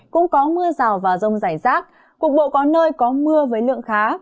cũng có mưa rào và rông dài rác cuộc bộ có nơi có mưa với lượng khá